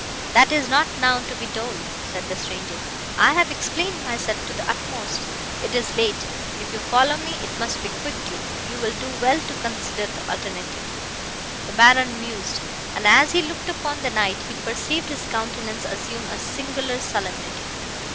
"'That is not now to be told,' said the stranger, 'I have explained myself to the utmost. It is late; if you follow me it must be quickly;—you will do well to consider the alternative.' "The Baron mused, and, as he looked upon the knight, he perceived his countenance assume a singular solemnity."